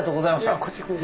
いやこちらこそ。